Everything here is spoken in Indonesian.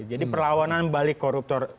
jadi perlawanan balik koruptor